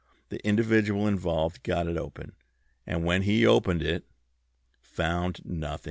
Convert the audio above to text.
The individual involved got it open; and when he opened it " "Found nothing!"